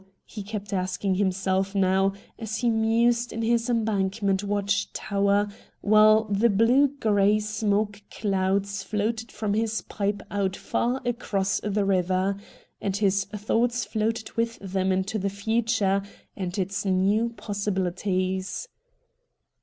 ' he kept asking him self now, as he mused in his Embankment watch tower while the blue grey smoke clouds floated from his pipe out far across the river, and his thoughts floated with them into the future and its new possibilities.